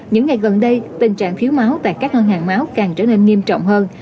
những ngày gần đây tình trạng thiếu máu tại các ngân hàng máu càng trở nên nghiêm trọng hơn